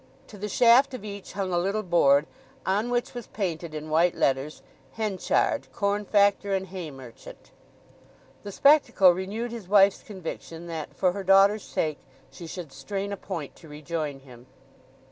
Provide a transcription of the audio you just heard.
To the shaft of each hung a little board, on which was painted in white letters, "Henchard, corn factor and hay merchant." The spectacle renewed his wife's conviction that, for her daughter's sake, she should strain a point to rejoin him.